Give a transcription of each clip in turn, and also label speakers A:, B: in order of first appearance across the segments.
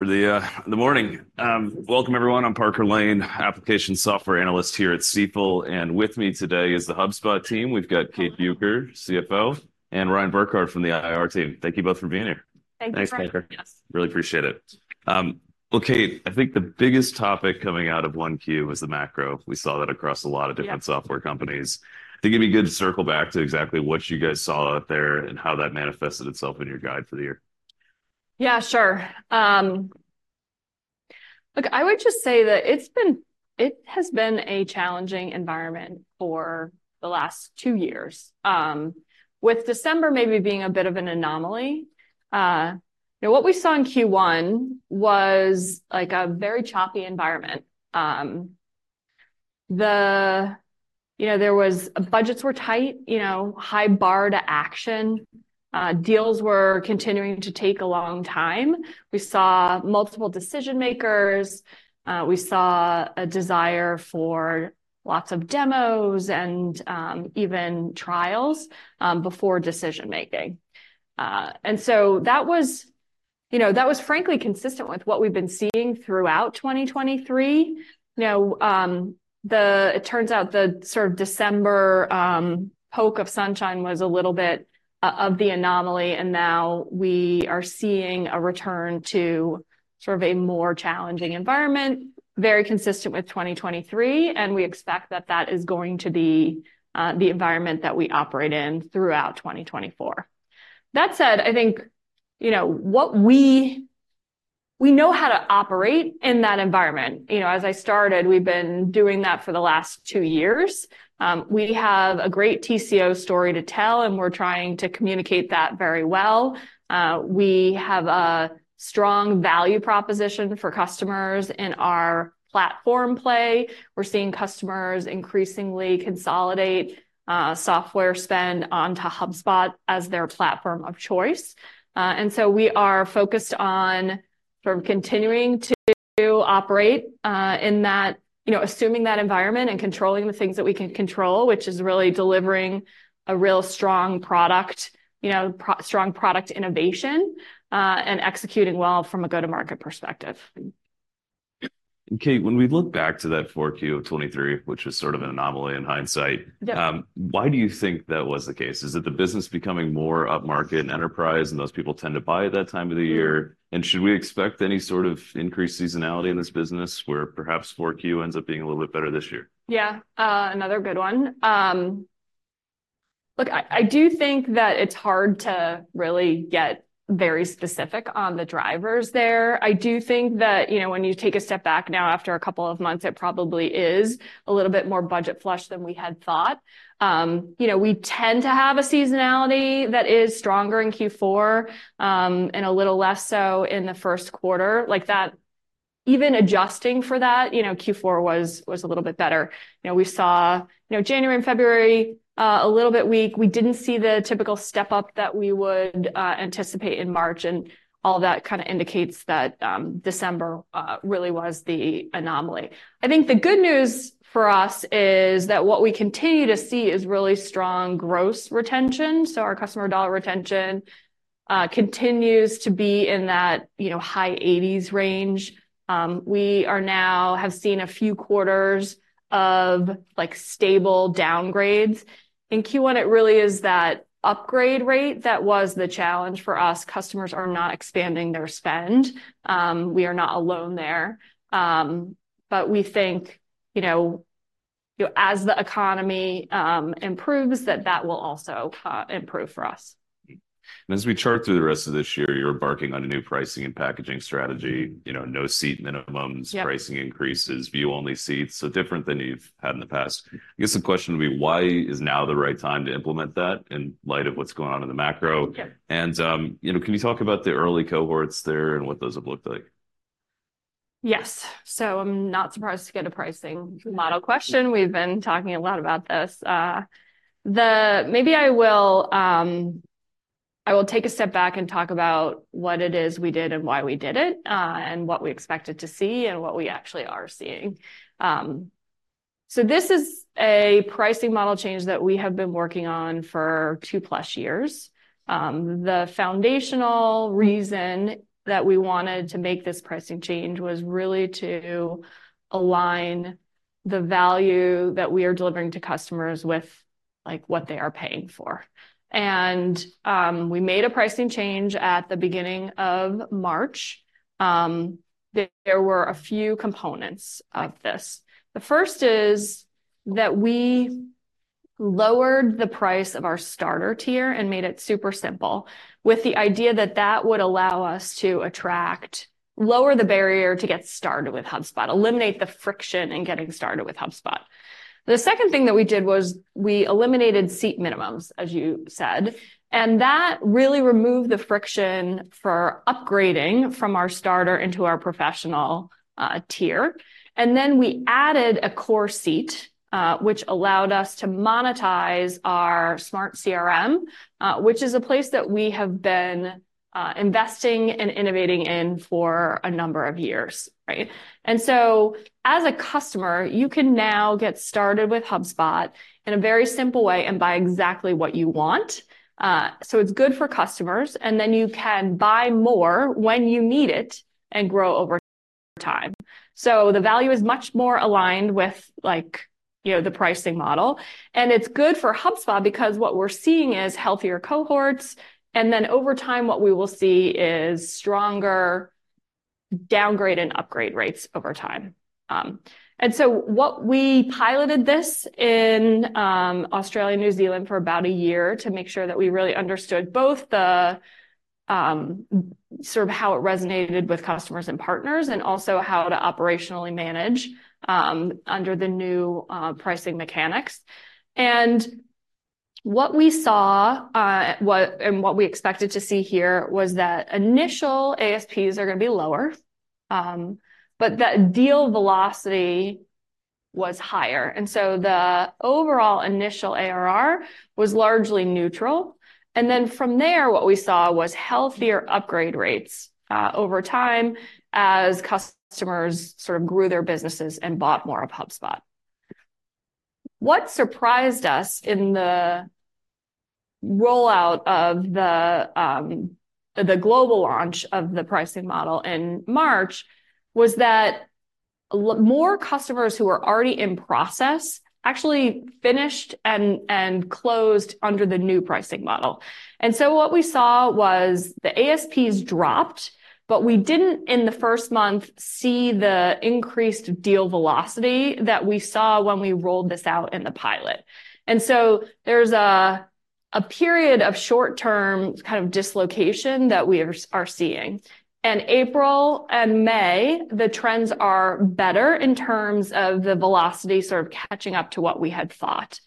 A: ...For the, the morning. Welcome everyone, I'm Parker Lane, application software analyst here at Stifel, and with me today is the HubSpot team. We've got Kate Bueker, CFO, and Ryan Burkart from the IR team. Thank you both for being here.
B: Thank you.
C: Thanks, Parker.
A: Really appreciate it. Well, Kate, I think the biggest topic coming out of 1Q was the macro. We saw that across a lot of-
B: Yeah...
A: different software companies. I think it'd be good to circle back to exactly what you guys saw out there, and how that manifested itself in your guidance for the year.
B: Yeah, sure. Look, I would just say that it's been, it has been a challenging environment for the last two years. With December maybe being a bit of an anomaly. You know, what we saw in Q1 was, like, a very choppy environment. You know, there was... Budgets were tight, you know, high bar to action. Deals were continuing to take a long time. We saw multiple decision makers, we saw a desire for lots of demos and, even trials, before decision-making. And so that was, you know, that was frankly consistent with what we've been seeing throughout 2023. You know, the, it turns out the sort of December poke of sunshine was a little bit of the anomaly, and now we are seeing a return to sort of a more challenging environment, very consistent with 2023, and we expect that that is going to be the environment that we operate in throughout 2024. That said, I think, you know, we know how to operate in that environment. You know, as I started, we've been doing that for the last two years. We have a great TCO story to tell, and we're trying to communicate that very well. We have a strong value proposition for customers in our platform play. We're seeing customers increasingly consolidate software spend onto HubSpot as their platform of choice. And so we are focused on sort of continuing to operate in that... You know, assuming that environment and controlling the things that we can control, which is really delivering a real strong product, you know, strong product innovation, and executing well from a go-to-market perspective.
A: Kate, when we look back to that 4Q of 2023, which was sort of an anomaly in hindsight-
B: Yeah...
A: why do you think that was the case? Is it the business becoming more upmarket and Enterprise, and those people tend to buy at that time of the year?
B: Mm.
A: Should we expect any sort of increased seasonality in this business, where perhaps 4Q ends up being a little bit better this year?
B: Yeah, another good one. Look, I do think that it's hard to really get very specific on the drivers there. I do think that, you know, when you take a step back now after a couple of months, it probably is a little bit more budget flush than we had thought. You know, we tend to have a seasonality that is stronger in Q4, and a little less so in the first quarter. Like that, even adjusting for that, you know, Q4 was a little bit better. You know, we saw, you know, January and February a little bit weak. We didn't see the typical step-up that we would anticipate in March, and all that kind of indicates that December really was the anomaly. I think the good news for us is that what we continue to see is really strong gross retention, so our customer dollar retention continues to be in that, you know, high 80s range. We now have seen a few quarters of, like, stable downgrades. In Q1, it really is that upgrade rate that was the challenge for us. Customers are not expanding their spend. We are not alone there. But we think, you know, as the economy improves, that that will also improve for us.
A: As we chart through the rest of this year, you're embarking on a new pricing and packaging strategy. You know, no seat minimums-
B: Yeah...
A: pricing increases, view-only seats, so different than you've had in the past. I guess the question would be: Why is now the right time to implement that in light of what's going on in the macro?
B: Yeah.
A: You know, can you talk about the early cohorts there and what those have looked like?
B: Yes. So I'm not surprised to get a pricing model question. We've been talking a lot about this. Maybe I will, I will take a step back and talk about what it is we did and why we did it, and what we expected to see, and what we actually are seeing. So this is a pricing model change that we have been working on for two-plus years. The foundational reason that we wanted to make this pricing change was really to align the value that we are delivering to customers with, like, what they are paying for. And, we made a pricing change at the beginning of March. There were a few components of this.
A: Right.
B: The first is that we lowered the price of our Starter tier and made it super simple, with the idea that that would allow us to lower the barrier to get started with HubSpot, eliminate the friction in getting started with HubSpot. The second thing that we did was we eliminated seat minimums, as you said, and that really removed the friction for upgrading from our Starter into our Professional tier. And then we added a core seat, which allowed us to monetize our Smart CRM, which is a place that we have been investing and innovating in for a number of years, right? And so, as a customer, you can now get started with HubSpot in a very simple way and buy exactly what you want. So it's good for customers, and then you can buy more when you need it and grow over time. So the value is much more aligned with, like, you know, the pricing model. And it's good for HubSpot because what we're seeing is healthier cohorts, and then over time, what we will see is stronger downgrade and upgrade rates over time. And so what we piloted this in Australia and New Zealand for about a year to make sure that we really understood both the sort of how it resonated with customers and partners, and also how to operationally manage under the new pricing mechanics. And what we saw and what we expected to see here was that initial ASPs are gonna be lower, but the deal velocity was higher. So the overall initial ARR was largely neutral, and then from there, what we saw was healthier upgrade rates over time as customers sort of grew their businesses and bought more of HubSpot. What surprised us in the rollout of the global launch of the pricing model in March was that more customers who were already in process actually finished and closed under the new pricing model. And so what we saw was the ASPs dropped, but we didn't, in the first month, see the increased deal velocity that we saw when we rolled this out in the pilot. And so there's a period of short-term kind of dislocation that we are seeing. In April and May, the trends are better in terms of the velocity sort of catching up to what we had thought.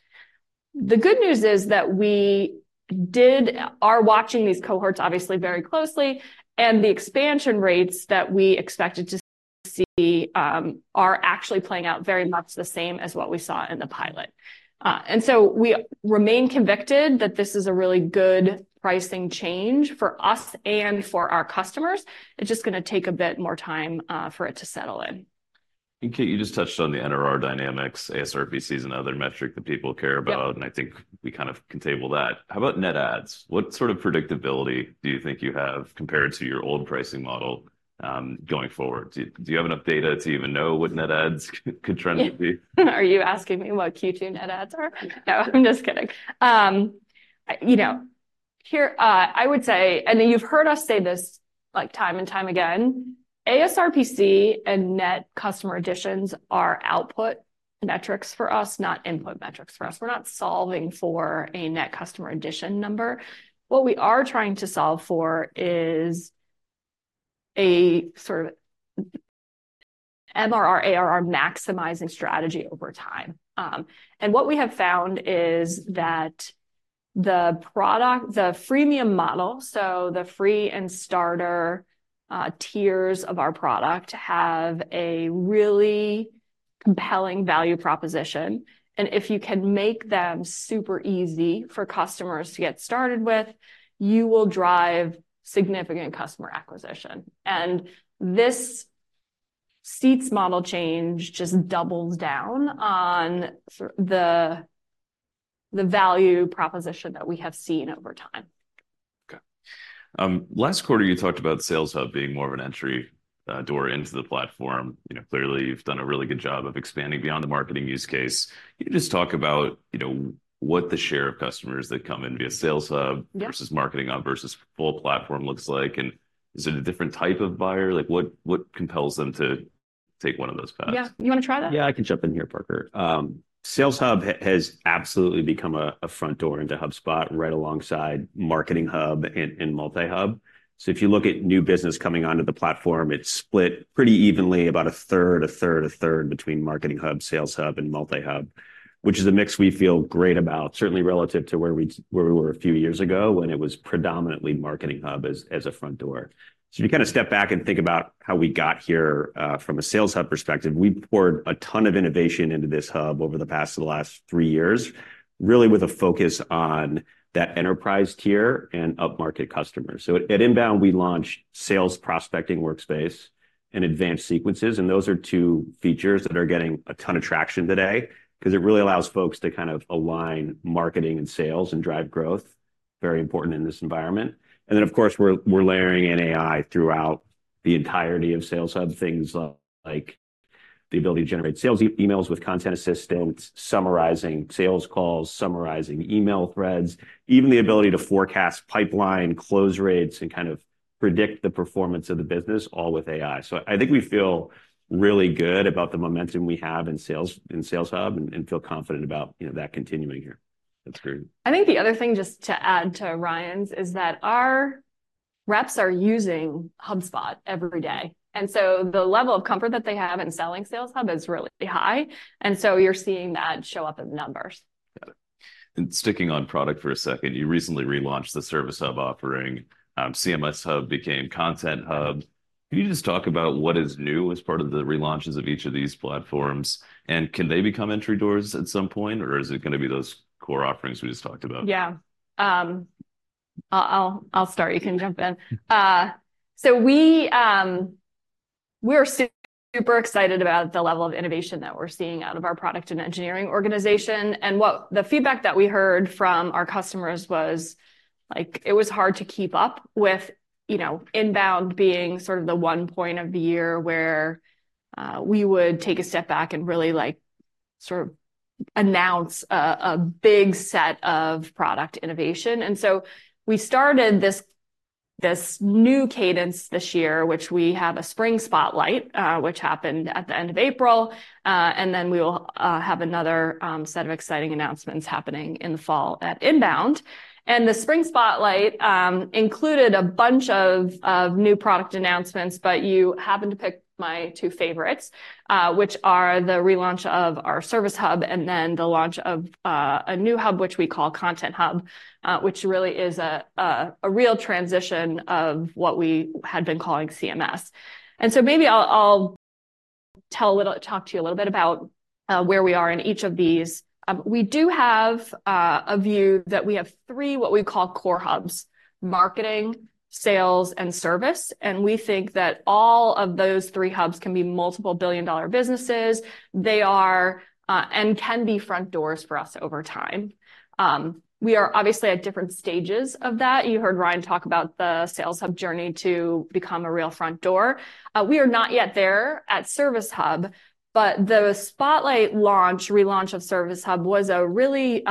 B: The good news is that we are watching these cohorts obviously very closely, and the expansion rates that we expected to see are actually playing out very much the same as what we saw in the pilot. And so we remain convicted that this is a really good pricing change for us and for our customers. It's just gonna take a bit more time for it to settle in.
A: Kate, you just touched on the NRR dynamics. ASPC is another metric that people care about.
B: Yep.
A: And I think we kind of can table that. How about net adds? What sort of predictability do you think you have, compared to your old pricing model, going forward? Do you have enough data to even know what net adds could potentially be?
B: Are you asking me what Q2 net adds are? No, I'm just kidding. You know, I would say... You've heard us say this, like, time and time again. ASPCand net customer additions are output metrics for us, not input metrics for us. We're not solving for a net customer addition number. What we are trying to solve for is a sort of MRR, ARR maximizing strategy over time. And what we have found is that the product, the freemium model, so the free and Starter tiers of our product, have a really compelling value proposition, and if you can make them super easy for customers to get started with, you will drive significant customer acquisition. This seats model change just doubles down on sort of the value proposition that we have seen over time.
A: Okay. Last quarter, you talked about Sales Hub being more of an entry door into the platform. You know, clearly, you've done a really good job of expanding beyond the marketing use case. Can you just talk about, you know, what the share of customers that come in via Sales Hub?
B: Yep...
A: versus Marketing Hub, versus full platform looks like, and is it a different type of buyer? Like, what, what compels them to take one of those paths?
B: Yeah. You want to try that?
C: Yeah, I can jump in here, Parker. Sales Hub has absolutely become a front door into HubSpot, right alongside Marketing Hub and Multi-Hub. So if you look at new business coming onto the platform, it's split pretty evenly, about a third, a third, a third, between Marketing Hub, Sales Hub, and Multi-Hub, which is a mix we feel great about, certainly relative to where we were a few years ago, when it was predominantly Marketing Hub as a front door. So if you kind of step back and think about how we got here, from a Sales Hub perspective, we've poured a ton of innovation into this hub over the last three years, really with a focus on that Enterprise tier and upmarket customers. So at INBOUND, we launched Prospecting Workspace and Advanced Sequences, and those are two features that are getting a ton of traction today, 'cause it really allows folks to kind of align marketing and sales and drive growth. Very important in this environment. And then, of course, we're layering in AI throughout the entirety of Sales Hub, things like the ability to generate sales e-mails with content assistance, summarizing sales calls, summarizing email threads, even the ability to forecast pipeline close rates and kind of predict the performance of the business, all with AI. So I think we feel really good about the momentum we have in Sales, in Sales Hub, and feel confident about, you know, that continuing here.
A: That's great.
B: I think the other thing, just to add to Ryan's, is that our reps are using HubSpot every day, and so the level of comfort that they have in selling Sales Hub is really high, and so you're seeing that show up in the numbers.
A: Got it. Sticking on product for a second, you recently relaunched the Service Hub offering, CMS Hub became Content Hub. Can you just talk about what is new as part of the relaunches of each of these platforms, and can they become entry doors at some point, or is it gonna be those core offerings we just talked about?
B: Yeah. I'll start, you can jump in. So we're super excited about the level of innovation that we're seeing out of our product and engineering organization, and the feedback that we heard from our customers was, like, it was hard to keep up with, you know, Inbound being sort of the one point of the year where we would take a step back and really, like, sort of announce a big set of product innovation. And so we started this new cadence this year, which we have a Spring Spotlight, which happened at the end of April. And then we will have another set of exciting announcements happening in the fall at Inbound. The Spring Spotlight included a bunch of new product announcements, but you happened to pick my two favorites, which are the relaunch of our Service Hub, and then the launch of a new hub, which we call Content Hub. Which really is a real transition of what we had been calling CMS. So maybe I'll talk to you a little bit about where we are in each of these. We do have a view that we have three, what we call, core hubs: marketing, sales, and service. We think that all of those three hubs can be multiple billion-dollar businesses. They are and can be front doors for us over time. We are obviously at different stages of that. You heard Ryan talk about the Sales Hub journey to become a real front door. We are not yet there at Service Hub, but the spotlight launch, relaunch of Service Hub was a really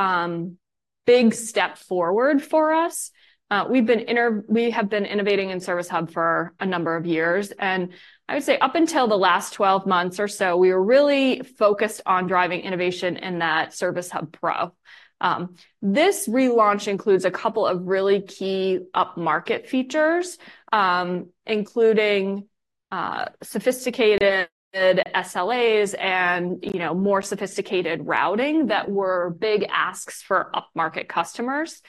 B: big step forward for us. We've been innovating in Service Hub for a number of years, and I would say up until the last 12 months or so, we were really focused on driving innovation in that Service Hub Pro. This relaunch includes a couple of really key up-market features, including sophisticated SLAs and, you know, more sophisticated routing that were big asks for up-market customers.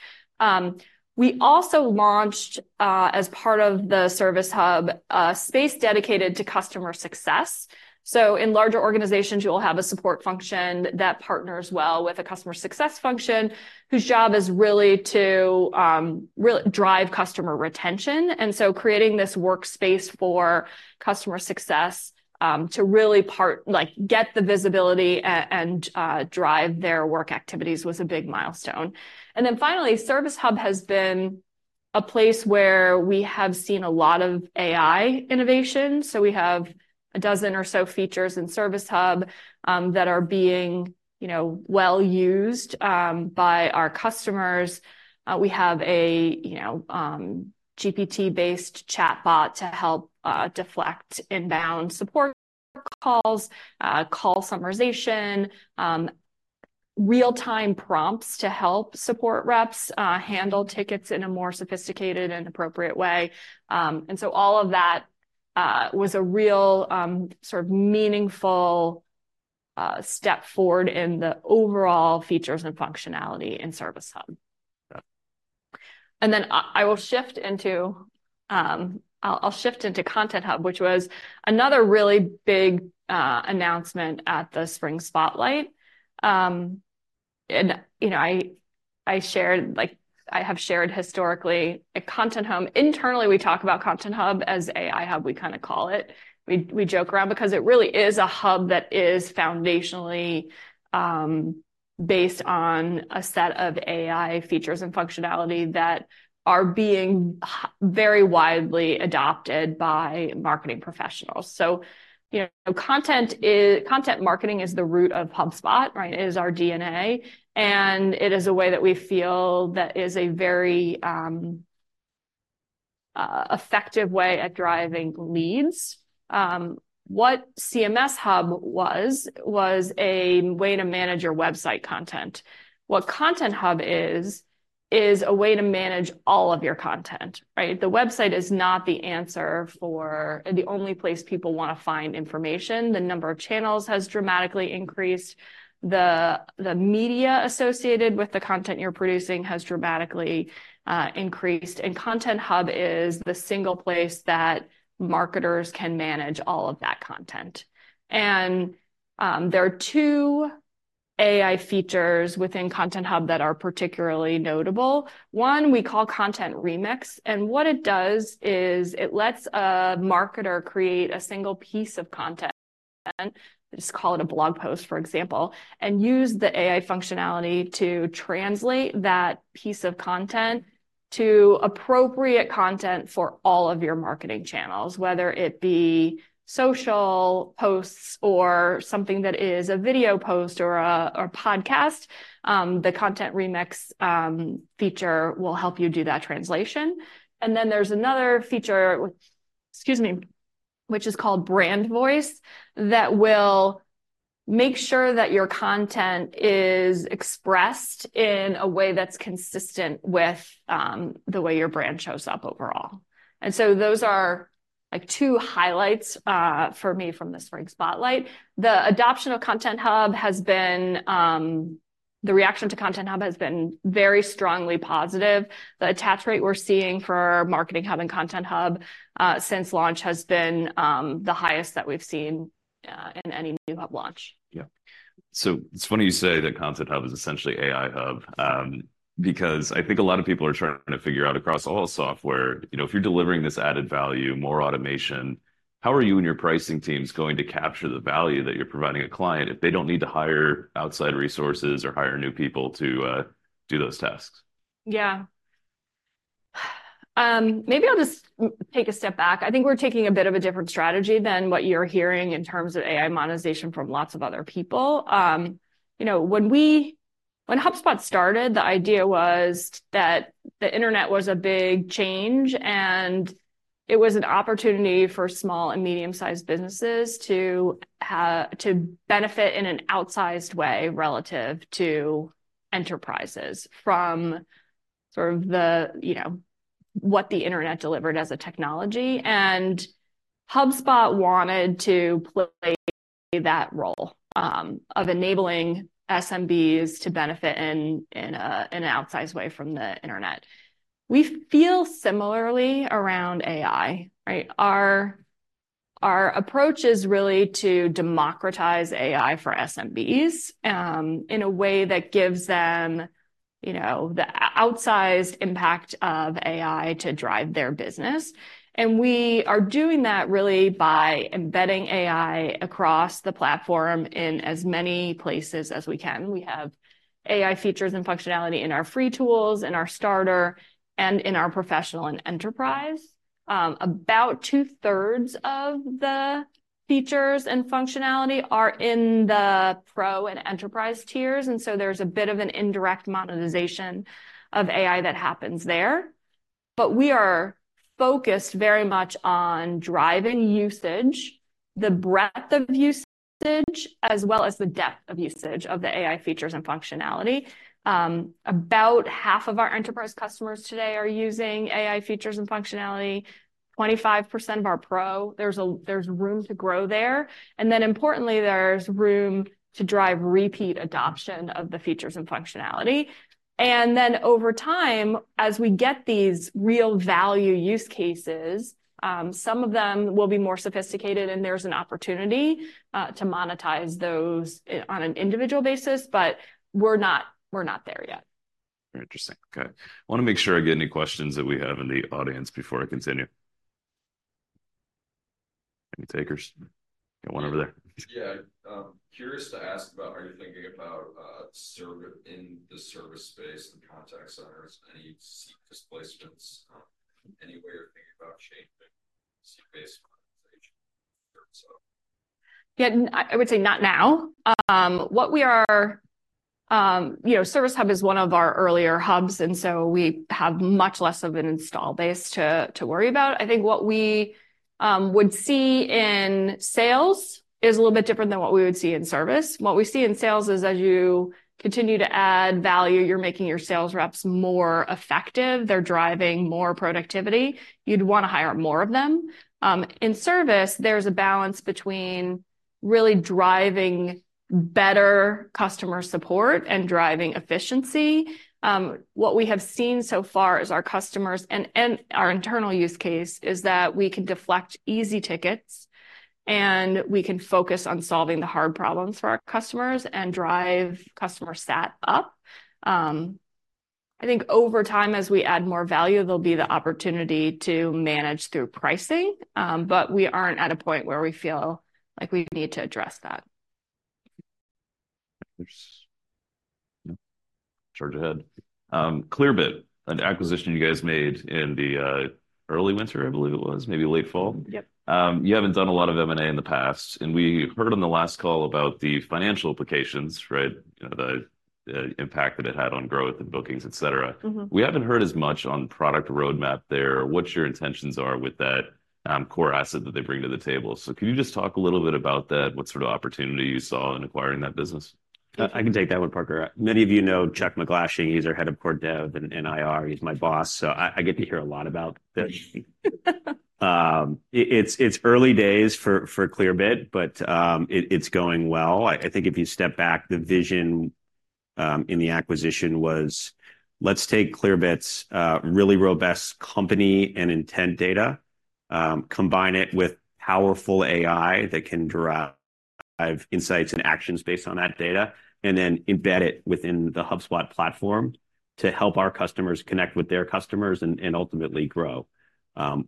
B: We also launched, as part of the Service Hub, a space dedicated to customer success. So in larger organizations, you'll have a support function that partners well with a customer success function, whose job is really to drive customer retention. And so creating this workspace for customer success to really like, get the visibility and drive their work activities was a big milestone. And then finally, Service Hub has been a place where we have seen a lot of AI innovation, so we have a dozen or so features in Service Hub that are being, you know, well used by our customers. We have a, you know, GPT-based chatbot to help deflect inbound support calls, call summarization, real-time prompts to help support reps handle tickets in a more sophisticated and appropriate way. And so all of that was a real sort of meaningful step forward in the overall features and functionality in Service Hub. And then I will shift into Content Hub, which was another really big announcement at the Spring Spotlight. And, you know, I shared, like I have shared historically, at Content Hub. Internally, we talk about Content Hub as AI Hub, we kind of call it. We joke around because it really is a hub that is foundationally based on a set of AI features and functionality that are being very widely adopted by marketing professionals. So, you know, content marketing is the root of HubSpot, right? It is our DNA, and it is a way that we feel that is a very effective way at driving leads. What CMS Hub was, was a way to manage your website content. What Content Hub is, is a way to manage all of your content, right? The website is not the answer for the only place people want to find information. The number of channels has dramatically increased. The media associated with the content you're producing has dramatically increased, and Content Hub is the single place that marketers can manage all of that content. There are two AI features within Content Hub that are particularly notable. One, we call Content Remix, and what it does is it lets a marketer create a single piece of content, let's call it a blog post, for example, and use the AI functionality to translate that piece of content to appropriate content for all of your marketing channels. Whether it be social posts or something that is a video post or a podcast, the Content Remix feature will help you do that translation. And then there's another feature, which, excuse me, which is called Brand Voice, that will make sure that your content is expressed in a way that's consistent with the way your brand shows up overall. And so those are, like, two highlights for me from the Spring Spotlight. The adoption of Content Hub has been... The reaction to Content Hub has been very strongly positive. The attach rate we're seeing for our Marketing Hub and Content Hub since launch has been the highest that we've seen in any new hub launch.
A: Yeah. So it's funny you say that Content Hub is essentially AI Hub, because I think a lot of people are trying to figure out across all software, you know, if you're delivering this added value, more automation, how are you and your pricing teams going to capture the value that you're providing a client if they don't need to hire outside resources or hire new people to do those tasks?
B: Yeah, maybe I'll just take a step back. I think we're taking a bit of a different strategy than what you're hearing in terms of AI monetization from lots of other people. You know, when HubSpot started, the idea was that the internet was a big change, and it was an opportunity for small and medium-sized businesses to benefit in an outsized way relative to Enterprises from sort of what the internet delivered as a technology. HubSpot wanted to play that role of enabling SMBs to benefit in an outsized way from the internet. We feel similarly around AI, right? Our approach is really to democratize AI for SMBs in a way that gives them the outsized impact of AI to drive their business. We are doing that really by embedding AI across the platform in as many places as we can. We have AI features and functionality in our free tools, in our Starter, and in our Professional and Enterprise. About two-thirds of the features and functionality are in the Pro and Enterprise tiers, and so there's a bit of an indirect monetization of AI that happens there. But we are focused very much on driving usage, the breadth of usage, as well as the depth of usage of the AI features and functionality. About half of our Enterprise customers today are using AI features and functionality, 25% of our Pro. There's room to grow there. And then, importantly, there's room to drive repeat adoption of the features and functionality. And then, over time, as we get these real value use cases, some of them will be more sophisticated, and there's an opportunity to monetize those on an individual basis, but we're not, we're not there yet.
A: Very interesting. Okay. I want to make sure I get any questions that we have in the audience before I continue. Any takers? Got one over there.
D: Yeah. Curious to ask about, are you thinking about service, in the service space, the contact centers, any seat displacements, any way you're thinking about changing seat-based monetization? So-
B: Yeah, I would say not now. What we are... You know, Service Hub is one of our earlier hubs, and so we have much less of an install base to worry about. I think what we would see in sales is a little bit different than what we would see in service. What we see in sales is, as you continue to add value, you're making your sales reps more effective. They're driving more productivity. You'd want to hire more of them. In service, there's a balance between really driving better customer support and driving efficiency. What we have seen so far is our customers, and our internal use case, is that we can deflect easy tickets, and we can focus on solving the hard problems for our customers and drive customer sat up. I think over time, as we add more value, there'll be the opportunity to manage through pricing, but we aren't at a point where we feel like we need to address that.
A: Charge ahead. Clearbit, an acquisition you guys made in the early winter, I believe it was, maybe late fall?
B: Yep.
A: You haven't done a lot of M&A in the past, and we heard on the last call about the financial implications, right? You know, the impact that it had on growth and bookings, et cetera.
B: Mm-hmm.
A: We haven't heard as much on product roadmap there, or what your intentions are with that, core asset that they bring to the table. So could you just talk a little bit about that, what sort of opportunity you saw in acquiring that business?
C: I can take that one, Parker. Many of you know Chuck MacGlashing. He's our head of Corp Dev and IR. He's my boss, so I get to hear a lot about this. It's early days for Clearbit, but it's going well. I think if you step back, the vision in the acquisition was: let's take Clearbit's really robust company and intent data, combine it with powerful AI that can derive insights and actions based on that data, and then embed it within the HubSpot platform to help our customers connect with their customers and ultimately grow.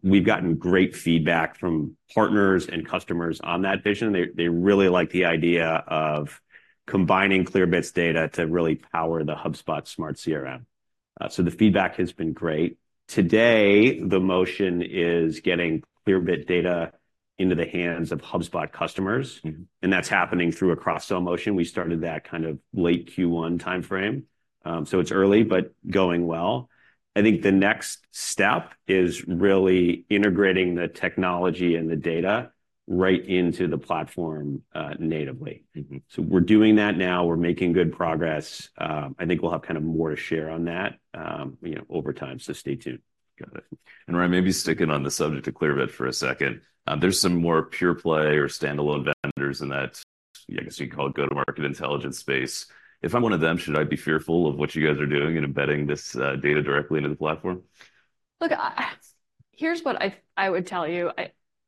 C: We've gotten great feedback from partners and customers on that vision. They really like the idea of combining Clearbit's data to really power the HubSpot smart CRM. So the feedback has been great. Today, the motion is getting Clearbit data into the hands of HubSpot customers-
A: Mm-hmm.
C: that's happening through a cross-sell motion. We started that kind of late Q1 timeframe. So it's early, but going well. I think the next step is really integrating the technology and the data right into the platform, natively.
A: Mm-hmm.
C: We're doing that now. We're making good progress. I think we'll have kind of more to share on that, you know, over time, so stay tuned.
A: Got it. Ryan, maybe sticking on the subject of Clearbit for a second, there's some more pure play or standalone vendors in that, I guess you'd call it, go-to-market intelligence space. If I'm one of them, should I be fearful of what you guys are doing in embedding this data directly into the platform?
B: Look, here's what I would tell you.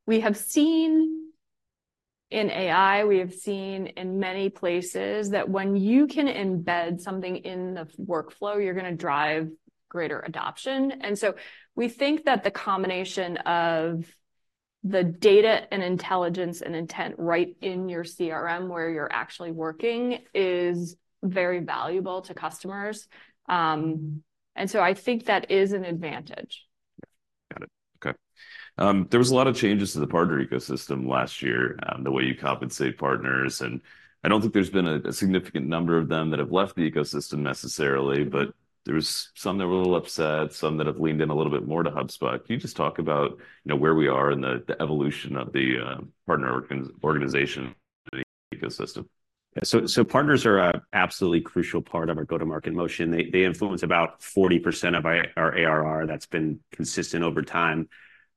B: We have seen, in AI, we have seen in many places that when you can embed something in the workflow, you're gonna drive greater adoption. And so we think that the combination of the data and intelligence and intent right in your CRM, where you're actually working, is very valuable to customers. And so I think that is an advantage.
A: Yeah. Got it. Okay. There was a lot of changes to the partner ecosystem last year, the way you compensate partners, and I don't think there's been a significant number of them that have left the ecosystem necessarily, but there was some that were a little upset, some that have leaned in a little bit more to HubSpot. Can you just talk about, you know, where we are in the evolution of the partner organization ecosystem?
C: Yeah, so partners are absolutely crucial part of our go-to-market motion. They influence about 40% of our ARR. That's been consistent over time.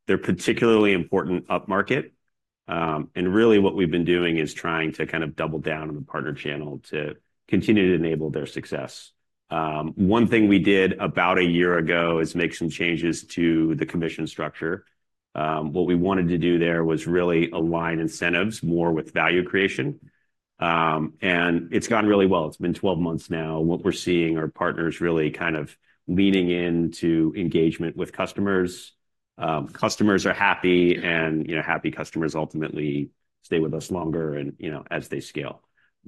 C: They're particularly important upmarket, and really what we've been doing is trying to kind of double down on the partner channel to continue to enable their success. One thing we did about a year ago is make some changes to the commission structure. What we wanted to do there was really align incentives more with value creation, and it's gone really well. It's been 12 months now, and what we're seeing are partners really kind of leaning into engagement with customers. Customers are happy, and, you know, happy customers ultimately stay with us longer and, you know, as they scale.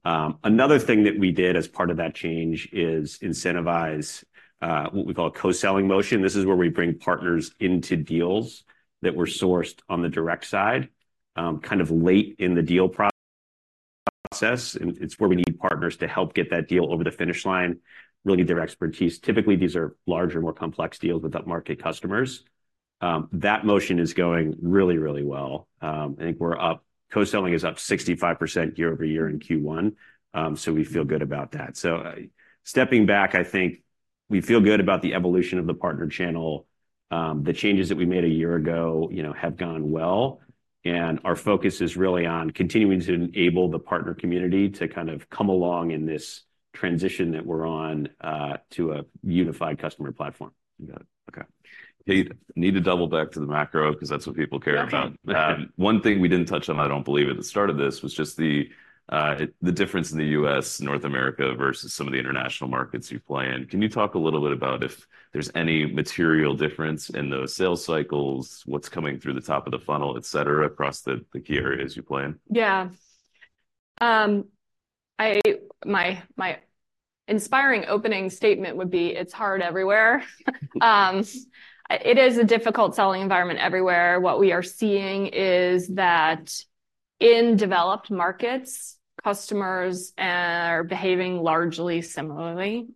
C: Another thing that we did as part of that change is incentivize what we call a co-selling motion. This is where we bring partners into deals that were sourced on the direct side, kind of late in the deal process, and it's where we need partners to help get that deal over the finish line. We'll need their expertise. Typically, these are larger, more complex deals with upmarket customers. That motion is going really, really well. I think Co-selling is up 65% year-over-year in Q1, so we feel good about that. So, stepping back, I think we feel good about the evolution of the partner channel. The changes that we made a year ago, you know, have gone well, and our focus is really on continuing to enable the partner community to kind of come along in this transition that we're on, to a unified customer platform.
A: Got it. Okay. Kate, need to double back to the macro, 'cause that's what people care about.
B: Yeah.
A: One thing we didn't touch on, I don't believe, at the start of this, was just the difference in the U.S., North America, versus some of the international markets you play in. Can you talk a little bit about if there's any material difference in those sales cycles, what's coming through the top of the funnel, et cetera, across the key areas you play in?
B: Yeah. I, my inspiring opening statement would be: It's hard everywhere. It is a difficult selling environment everywhere. What we are seeing is that in developed markets, customers are behaving largely similarly.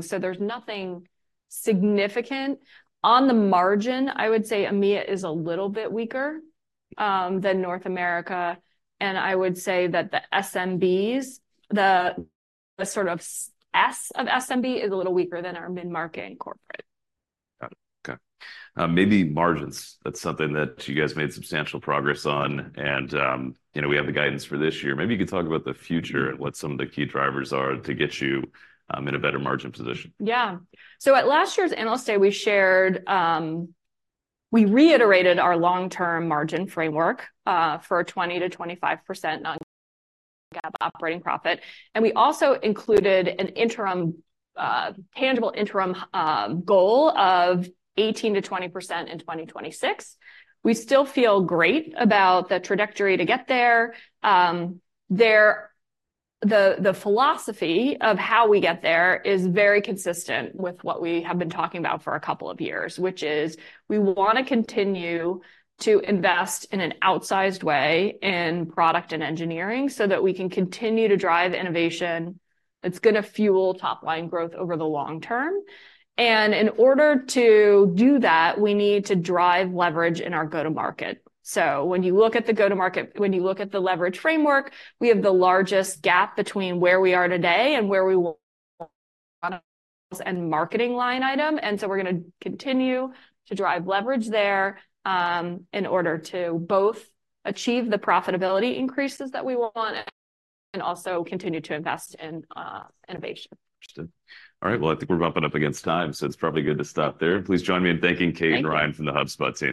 B: So there's nothing significant. On the margin, I would say EMEA is a little bit weaker than North America, and I would say that the SMBs, the sort of S of SMB, is a little weaker than our mid-market and corporate.
A: Got it. Okay. Maybe margins, that's something that you guys made substantial progress on, and you know, we have the guidance for this year. Maybe you could talk about the future and what some of the key drivers are to get you in a better margin position.
B: Yeah. So at last year's analyst day, we shared. We reiterated our long-term margin framework for a 20%-25% non-GAAP operating profit, and we also included an interim tangible interim goal of 18%-20% in 2026. We still feel great about the trajectory to get there. The philosophy of how we get there is very consistent with what we have been talking about for a couple of years, which is we want to continue to invest in an outsized way in product and engineering, so that we can continue to drive innovation. It's gonna fuel top-line growth over the long term, and in order to do that, we need to drive leverage in our go-to-market. When you look at the go-to-market, when you look at the leverage framework, we have the largest gap between where we are today and where we will... and marketing line item, and so we're gonna continue to drive leverage there, in order to both achieve the profitability increases that we want and also continue to invest in innovation.
A: Interesting. All right, well, I think we're bumping up against time, so it's probably good to stop there. Please join me in thanking Kate and Ryan-
B: Thank you...
A: from the HubSpot team.